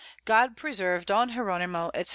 God preserve Don Hieronimo, &c.